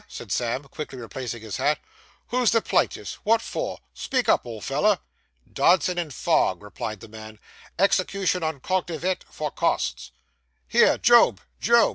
said Sam, quickly replacing his hat. 'Who's the plaintives? What for? Speak up, old feller.' 'Dodson and Fogg,' replied the man; 'execution on _cognovit _for costs.' 'Here, Job, Job!